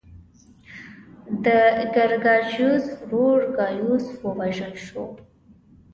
د ګراکچوس ورور ګایوس ووژل شو